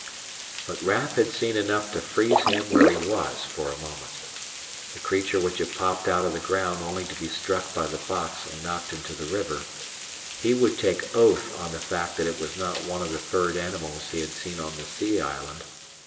But Raf had seen enough to freeze him where he was for a moment. The creature which had popped out of the ground only to be struck by the box and knocked into the river he would take oath on the fact that it was not one of the furred animals he had seen on the sea island.